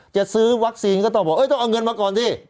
จะซื้อวัคซีนก็ต้องบอกต้องเอาเงินมาก่อนสิ